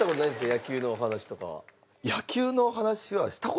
野球のお話とかは。